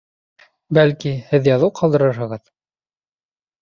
Бәлки, һеҙ яҙыу ҡалдырырһығыҙ?